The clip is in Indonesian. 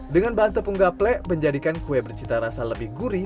dengan bahan tepung gaplek menjadikan kue bercita rasa lebih gurih